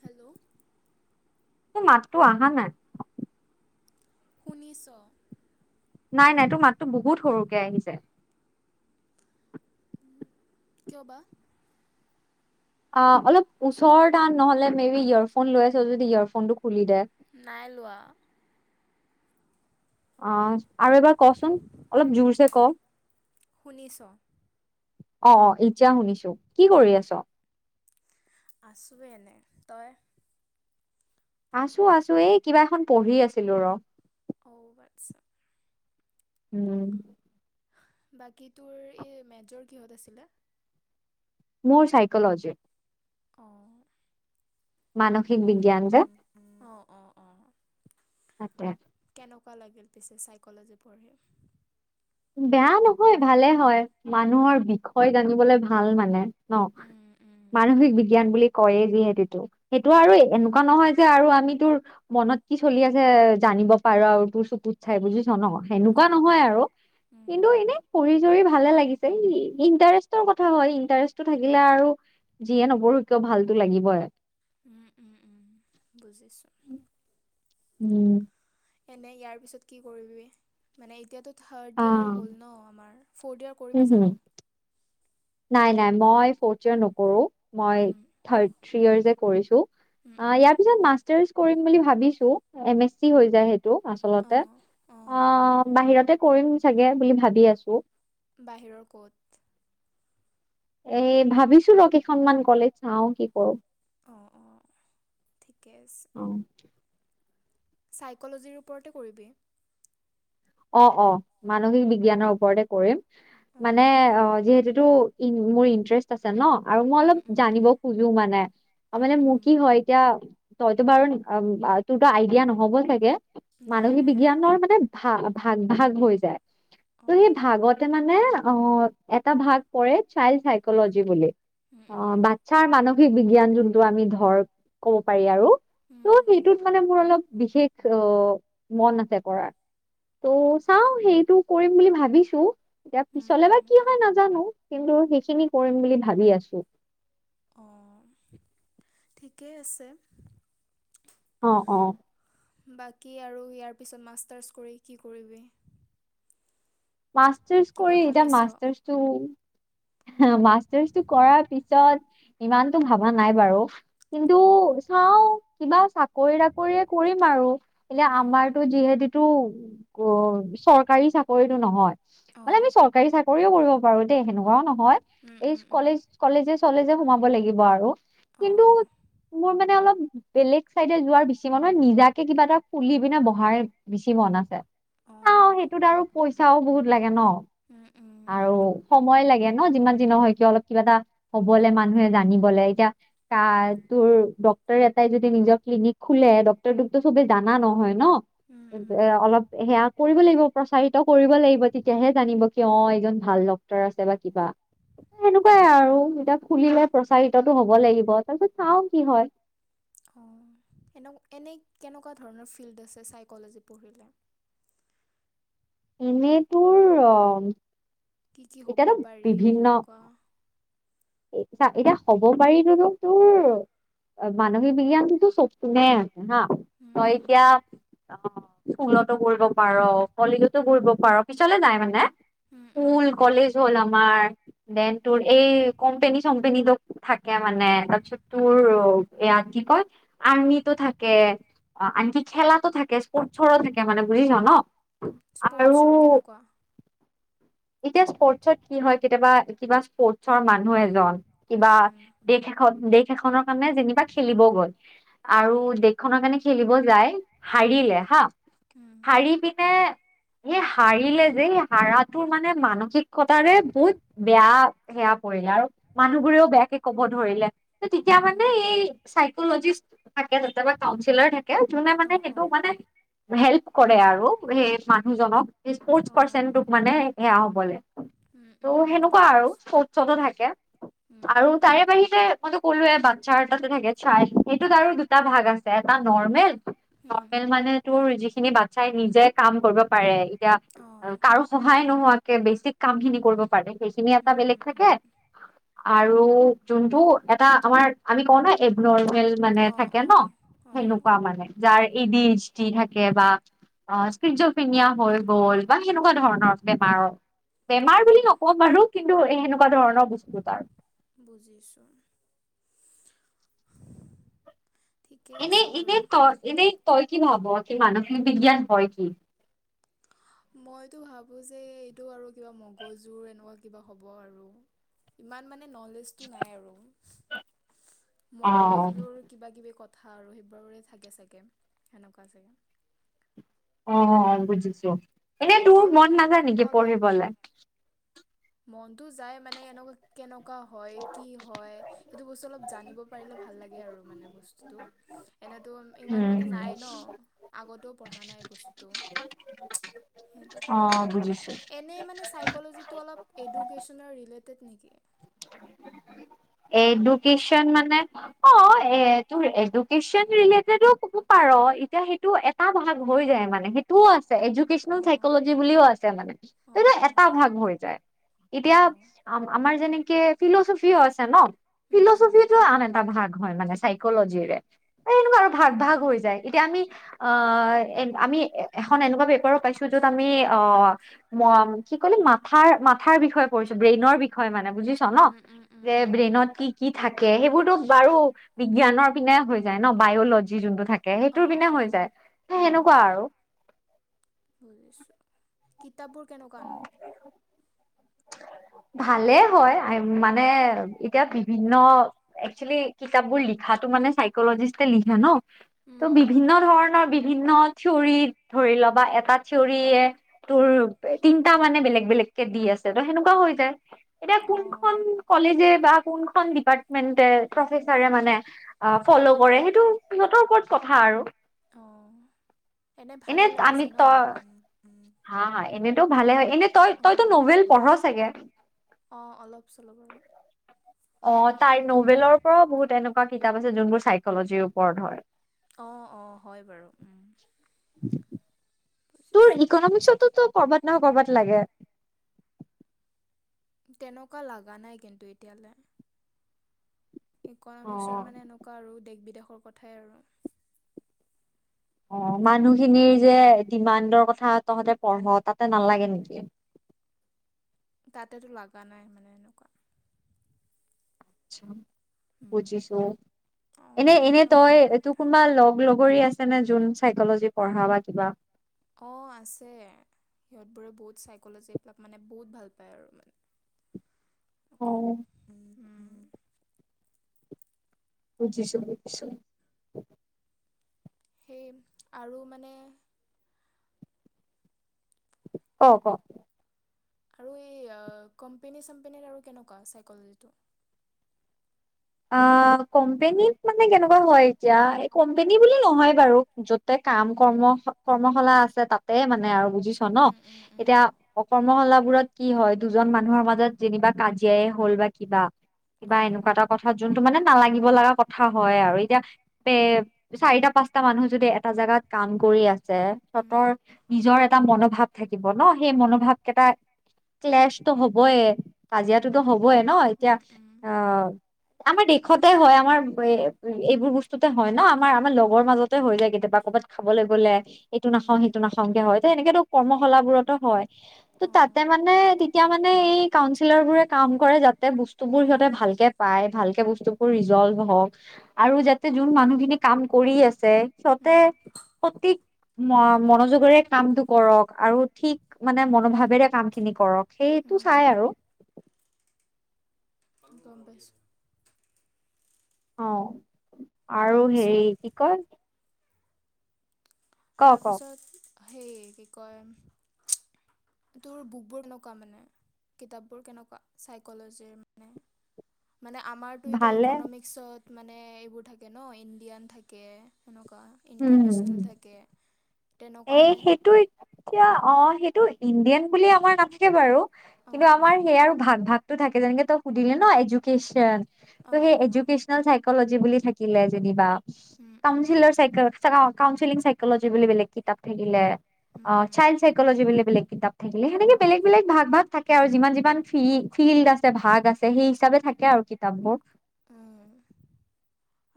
Hello, মাতটো আহা নাই শুনিছো। নাই-নাই তোৰ মাততো বহুত সৰুকে আহিছে। কিয় বা। অ, অলপ ওচৰৰ আন নহলে মে বি ইয়েৰফোন লৈ আছ যদি ইয়েৰফোন টো খুলি দে নাই লোৱা। অহ, আৰু এবাৰ কচোন অলপ জোৰছে ক'। শুনিছ অ-অ, এতিয়া শুনিছো কি কৰি আছ? আছোৱে এনে, তই? আছো - আছো এই কিবা এখন পঢ়ি আছিলো ৰ। অ, বাটচাম। উম, বাকী তোৰ এই মেজৰ কিহত আছিলে? মোৰ চাইকল'জি। অ'। মানসিক বিজ্ঞান যে অ' অ' অ' তাকে। ভাল লাগিল পিছে চাইকল'জি পঢ়ি। বেয়া নহয় ভালে হয়, মানুহৰ বিষয় জানিবলে ভাল মানে। ন, উম উম মানসিক বিজ্ঞান বুলি কয়ে যিহেতুটো সেইটো আৰু এনেকুৱা নহয় যে আৰু আমি তোৰ মনত কি চলি আছে জান জানিব পাৰো আৰু তোৰ চকুত চাই বুজিছ ন' সেনেকুৱা অ' অ' নহয় আৰু উম কিন্তু এনে কৰি ধৰি ভালে লাগিছে ই-ইণ্টাৰেষ্টৰ কথা হয় ইণ্টাৰেষ্টটো থাকিলে আৰু যিয়ে নপঢ়ো কিয় ভালতো লাগিবই এ। উম, উম, উম, বুজিছো। উম। এনে ইয়াৰ পিছত কি কৰিবি, মানে এতিয়াতো অ থাৰ্ড ইয়াৰ হ'ল ন আমাৰ ফৰ্থ ইয়াৰ হম কৰিবি হম জানো? নাই নাই মই ফৰ্থ ইয়েৰ নকৰো, মই উম থাৰ্ড থ্ৰী ইয়াৰ্চে কৰিছো। উম আ, উম ইয়াৰ পিছত মাষ্টাৰ্ছ কৰিম বুলি ভাবিছো, এম এছ ছি হৈ যায় হেই টু আচলতে অ, বাহিৰতে কৰিম চাগে বুলি ভাবি আছো। বাহিৰৰ ক'ত? এ, ভাবিছোঁ ৰ কেইখনমান কলেজ চাওঁ কি কৰো। অ' অ' ঠিকে আছে অ। চাইকল'জিৰ ওপৰতে কৰিবি? অ', অ', মানসিক বিজ্ঞানৰ ওপৰতে কৰিম অঁ মানে অঁ অ, যিহেতু এইটো ইন-মোৰ ইন্টাৰেষ্ট আছে ন। আৰু মই উম অলপ উম জানিব খোজো মানে উম মানে মোৰ উম কি হয় এতিয়া আ, তইতো বাৰু তোৰতো আইডিয়া নহ'ব চাগে নাই মানসিক নাই বিজ্ঞানৰ মানে ভাৱ ভাগ ভাগ হৈ যায়, ত' অঁ সেই ভাগতে মানে এ, অ, এটা ভাগ পৰে চাইল্ড চাইকল'জি বুলি, উম অ, উম বাটচাৰ মানসি মানে হে বিজ্ঞান জোনটো আমি ধৰ ক'ব পাৰি আৰু ত', উম সেইটোত মানে মোৰ অলপ বিশেষ অহ, মন আছে কৰাৰ। ত' চাও সেইটো কৰিম বুলি ভাবিছো, এতিয়া উম পিছলে বা উম কি হয় নাজানো। কিন্তু সেইখিনি কৰিম বুলি ভাবি আছো। অঁ ঠিকেই আছে। অ, অ। বাকী আৰু ইয়াৰ পিছত মাষ্টাৰছ কৰি কি কৰিবি? মাষ্টাৰছ কিবা কৰি এতিয়া ভাবিছ মাষ্টাৰ্ছটো এহে মাষ্টাৰ্ছটো কৰাৰ পিছত ইমানটো ভাবা নাই বাৰু। কিন্তু অঁ চাও কিবা চাত। কৰিৰা কৰিয়ে কৰিম আৰু কেইলে উম আমাৰতো যিহেদিত উ, অ, চৰকাৰী চাকৰিটো নহয়, মানে অঁ আমি চৰকাৰী চাকৰিও কৰিব তু। বাৰু দেই সেনেকুৱাও নহয়, উম এই উম উম কলেজ-কলেজে চলেজে সোমাব লাগিব আৰু। কিন্তু অঁ মোৰ মানে অলপ বেলেগ চাইডে যোৱাৰ বেছি মন মনুহে নিজাকে কিবা এটা খুলি পিনে বহাৰ বেছি মন আছে। অ অঁ সেইটোত আৰু পইচাও বহুত লাগে ন, উম উম! আৰু সময় লাগে ন যিমান যি ন হয় কিয় অলপ কিবা এটা হবলে মানুহে জানিবলে এতিয়া ক তোৰ, ডটৰ এটাই যদি নিজৰ ক্লিনিক খোলে ডক্তৰটোকো চবে জানা নহয় ন, উম উম এ অলপ সেয়া কৰিব লাগিব প্ৰচাৰিত কৰিব লাগিব তেতিয়াহে জানিব কি অ এইজন ভাল ডক্তৰ আছে বা কিবা, সেনেকুৱাই আৰু এতিয়া খুলিলে প্ৰচাৰিতটো হব লাগিব তাৰপিছত চাও কি হয়। অনে এনে কেনেকুৱা ধৰণৰ ফিল্ড আছে চাইকলজী পঢ়িলে, [inaudible] এনেই তোৰ অ কি কি হ'ব এতিয়াতো পাৰি সেনেকুৱা, চা এতিয়া হব পাৰিলো ন তোৰ মানসিক বিজ্ঞানন্তু চবনে আছে হা উম হয় উম এতিয়া অ ফুলতো কৰিবৰিব পাৰ পলতো কৰিবৰিব পাৰ পিছলে নাই মানে, উম উম স্কুল কলেজ হ'ল আমাৰ দেন তোৰ এই কোম্পানী চোম্পেনী ল থাকে মানে তাৰপিছত তোৰ এয়া কি কয় আৰ্মিটো থাকে অ আনকি খেলাাতো থাকে স্পৰ্টছৰ থাকে মানে বুজিল ন আৰু স্পৰ্টছৰ কেনেকুৱা এতিয়া স্পৰ্টচত কি হয় কেতিয়াবা কিবা স্পৰ্টচৰ মানুহ এজন কিবা উম উম দেশ এখন দেশ এখনৰ কাৰণে যেনিবা খেলিব গ'ল। উম আৰু দেশখনৰ কাৰণে খেলিব যায় হাৰিলে হা উম শাৰী পিনে সেই হাৰিলে যে হাৰাটোৰ মানে মানসিকতাৰে বহুত বেয়া সেয়া আৰু মানুহবোৰেও বেয়াকে ক'ব ধৰিলে তেতিয়া উম মানে এই চ থ তাতে কাউিলাৰ থাকে যোনে অ মানে অ সেইটো মানে, হেল্প কৰে আৰু সেই মানুহজনক স্পৰ্টচ পাৰ্চনটোক অ মানে সেয়া হবলৈ, ত' উম সেনেকুৱা আৰু উম শৌসতো থাকে বুজি পাইছোঁ আৰু তাৰে বাহিৰে মইতো ক'লো এ বাচ্ছা এটাতে থাকে চাই সেইটোত আৰু দুটা ভাগ আছে এটা নৰ্মেল, উম উম নৰ্মেল মানে তোৰ যিখিনি বাচ্ছাই নিজে কাম কৰিব পাৰে। এতিয়া অ কাৰো সহায় নোহোৱাকে বেছিক কাম খিনি কৰিব পাৰে সেইখিনি এটা উম বেলেগ। উম উম আৰু যোনটো এটা আমাৰ আমি কওঁ ন ন মানে অ থাকে অ ন অ সেনেকুৱা মানে যাৰ ইডিচি থাকে বা স্কিটছ অফ ইণ্ডিয়া হৈ গ'ল। বা সেনেকুৱা উম ধৰণৰ বেমাৰৰ অ বেমাৰ বুলি নকওঁ বাৰু কিন্তু এ এনেকুৱা ধৰণৰ বস্তু তাৰ, বুজিছোঁ। ঠিকে এনেই আছে বাৰু এনে তই এনেই তই কি ভাব কি মানসিক বিজ্ঞান হয় কি? মইতো ভাবো যে এইটো আৰু কিবা মগজুৰ এনেকুৱা কিবা হ'ব আৰু ইমান মানে নলেজটো নাই আৰু অ মগজুৰ কিবা কিবি কথা। থা ৰহিত বাৰোৰে থাকে চাগে সেনেকুৱা চাগে। অ বুজিছো এনেই তোৰ অলপ মন নাযায় নেকি অলপ পঢ়িবলৈ, মনটো যায় মানে এনেকুৱা কেনেকা, ুৱা হয় কি হয় সেইটো বস্তু অলপ জানিব পাৰিলে ভাল লাগে আৰু মানে বস্তুটো, এনেতো ইমান মানে উম নাই ন আগতেও পঢ়া নাই বস্তুটো। সেইটো অ কথা বুজিছো এনে মানে চাইকজিটো অলপ েড নেকি, এডুকেচন মানে অ এ তোৰ এডুকেচন ৰিলেটেডো কব পাৰ এতিয়া সেইটো এটা ভাগ হৈ যায় মানে সেইটোও আছে। এডকনেল অঁ চাইকজি বুলিও আছে মানে তে অঁ অঁ এটা ভাগ হৈ যায়। এতিয়া অঁ আমাৰ যেনে ফিলচফিও আছে ন উম উম ফিলচফি টো আন এটা ভাগ ুৱ ভ ভ এয়া আম এ এনেকুৱা পেপাৰ পাইছো যত আমি অ কি কলে মা মাথ বিষয়ে বিষয় পৰিছো ব্ৰেইনৰ বিষয়ে মানে বুজিছ ন উম উম উম যে উম ব্ৰেইনত কি কি থাকে সেইবোৰতো বাৰু বিজ্ঞানৰ পিনে হৈ যায় ন বায়লজি যোনটো থাকে ে সেইটোৰ অঁ বিনা হৈ অঁ যায় উম সেনেকুৱা আৰু বুজিছোঁ কিতাপবোৰ কেনেকুৱা। ভালে হয় মানে এতিয়া বিভিন্ন একচুৱেলি কিতাপ বোৰ লিখা কথাটো মানে সাইকলগিষ্টে লিখে ন ত উম ' উম বিভিন্ন ধৰণৰ বি বিভিন্ন থিয়ৰিত ধৰি ল বা এটা থিয়ৰিয়ে তোৰ তিনটা মানে বেলেগ - বেলেগ। দি আছে ত' সেনেকুৱা হৈ যায় এতিয়া অঁ কোনখন কলেজে বা কোনখন ডিপাৰ্টমেণ্ট প্ৰফেছৰে মানে ফল্লো কৰে সেইটো সিহতৰ উপৰত ক থা আৰু। অ, এনে ভালে আমি লাগিছে ন। তই হা এনেতটো ভালে হয় এনে তই তইতো নভেল পঢ় চাগে। অ, অলপ চলপ বাৰু। অ, তাই নভেলৰ পৰাও বহুত এনেকুৱা কিতাপ আছে যোনবোৰ চাইকলজিৰ ওপৰত ধৰ। অ - অ, হয় - হয় বাৰু। তোৰ বুজিছোঁ ইকনমিকসতো ত কৰবাত নহয় কৰবাত লাগে। তেনেকুৱা লগা নাই কিন্তু এতিয়ালৈ। অ ইকনমিকসৰ মানে এনেকুৱা আৰু দেশ বিদেশৰ কথাই আৰু। অ, এনেকুৱা মানুহখিনিৰ যে ডিমাণ্ডৰ কথা তহতে পঢ় তাতে নালাগে নেকি। তাতেতো লগা নাই মানে এনেকুৱা। উম, পুজিছো অঁ এনে এনে সেনেকুৱা ধৰণৰ কথা তটুকুৰ লগ - লগ আছে নে যোন চাইকলজি পঢ়া বা কিবা। অ, আছে। সিহতোৰে বহুত চাইকলজী এইবিলাক মানে বহুত ভাল পায় আৰু মানে। [inaudible] অ', বুজিছো - বুজিছো। সেই আৰু মানে ক - ক। আৰু কম্পনী চ্পন আৰু কেনেকুৱ চ অ, কোম্পনীত মানে কেনেকুৱা হয় এতিয়া এই কোম্পেনী বুলি নহয় বাৰু যতে কাম কৰ্ম - কৰ্মশালা আছে তাতেই মানে আৰু। বুজিছ ন উম, উম, এতিয়া উম। অকৰ্মশালাবোৰত কি হয় দুজন মানুহৰ মাজত যেনিবা কাজিয়াই হল বা কিবা - কিবা অঁ এনেকুৱা এটা তো মানে নালাগিব লগা কথা হয় আৰু এতিয়া এ চাৰিটা পাচটা মানুহ যদি এটা জাগাত কাম কৰি আছে উম, সিহতৰ উম। নিজৰ এটা মন ভাৱ থাকিব ন সেই মনোভাৱ কেইটা ক্লেছ তো হবই। অঁ কাজিয়াাতোতো হবই ন এতিয়া উম উম অ, আমাৰ দেশতে হয় আমাৰ এইবোৰ বস্তুতে হয় ন আমাৰ আমাৰ লগৰ মাজতে হৈ যায়। কেতিয়াবা ক'ৰবাত খাবলৈ গ'লে। এইটো উম নাখাও সেইটো নাখানংগ হয় ত এনেকেতো কৰ্মশালাাবোৰতো হয় ত' অঁ তাতে মানে এতিয়া মানে এই কাউঞ্চিলৰ বোৰে কাম কৰে যাতে বস্তুবোৰ সিহতে ভালকে পাই ভালকে বস্তুবোৰ ৰিজলভ হওক আৰু যাতে যোন মানুহখিনি কাম কৰি আছে। সিহতে উম সতক ম - মনোযোগেৰে কামটো কৰক আৰু ঠিক মানে মনোভাৱেৰে কাম খিনি কৰক। সেইটো উম চাই আৰু। গম পাইছো। অ, আৰু তাৰপিছত হেৰি কি কয়? ক ক তাৰপিছত সেই কি কয়। তোৰ বুকবোৰ কেনেকুৱা মানে। কিতাপবোৰ কেনেকুৱা চাইক'লজিৰ মানে। মানে আমাৰতো এতিয়া ভালে ইকনমিক্সত মানে এইবোৰ থাকে ন ইণ্ডিয়ান থাকে একা [unintelligible] ইণ্টাৰনেশ্যনেল থাকে এ তেনেকুৱা নে সেইটো এতিয়া অ সেইটো ইণ্ডিয়ান বুলি আমাৰ নাথাকে বাৰু কিন্তু অঁ আমাৰ অঁ সেইয়াৰ ভাগ ভাগটো থাকে যেনেকে তই সুধিলি ন এডুকেশ্যন ত' অঁ সেই অঁ এডুকেচনেল চাইকজি বুলি থাকিলে যেনিবা, উম উম কাউচিলৰ চাইক কাউনচিলিং চাইকলজি বুলি বেলেগ কিতাপ থাকিলে, উম অঁ উম চাইল্ড চাইকলজি বুলি বেলেগ কিতাপ থাকিলে সেনেকে বেলেগ বেলেগ ভাগ ভাগ থাকে আৰু যিমান যিমান ফি ফিল্ড আছে ভাগ আছে সেই হিচাপে থাকে। থাকে আৰু কিতাপবোৰ। উম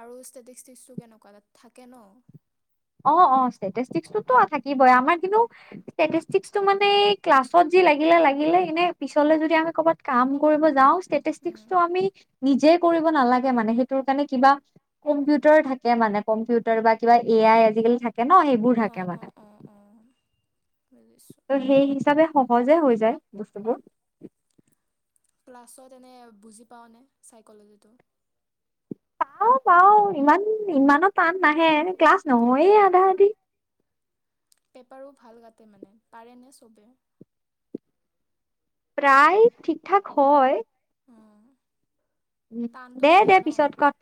আৰু ষ্টেটিষ্টিক্টো কেনেকুৱা তাত থাকে ন? অ অ ষ্টেটিষ্টিক্টো থাকিবই আমাৰ কিন্তু ষ্টেটিষ্টিক্টো মানে ক্লাছত লাগিলে লাগিলে এনে পিছলে যদি আমি কৰ'বাত কাম কৰিব যাওঁ উম ষ্টেটিষ্টিক্টো আমি নিজে কৰিব নালাগে মানে সেইটো কাৰণে কিবা কম্পিউটাৰ থাকে মানে কম্পিউটাৰ বা কিবা এ আই আজিকালি থাকে ন সেইবোৰ থাকে অঁ মানে। অঁ অঁ অঁ বুজিছোঁ ত' সেই হিচাপে সহজে হৈ যায়, বস্তুবোৰ। ক্লাছত এনে বুজি পাওঁনে চাইকলজিটো? পাওঁ পাওঁ ইমান ইমানো টান নাহে ক্লাছ নহয়েই অঁ আধা-আধি পেপাৰো ভাল কাটে মানে, পাৰে নে চবে? প্ৰায় ঠিকঠাক হয়। অঁ উ টানটো দে দে নিদিয়ে ন পিছত কম।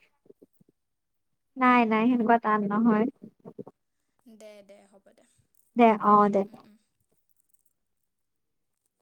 নাই নাই সেনেকুৱা টান নহয়। দে দে হ'ব। দে দে অ দে